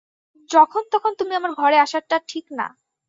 যুখন-তখন তুমি আমার ঘরে আসা- টা ঠিক না।